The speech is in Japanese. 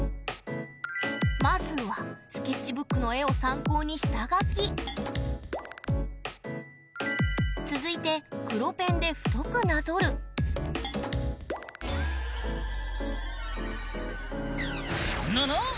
まずはスケッチブックの絵を参考に下描き続いて黒ペンで太くなぞるぬぬっ！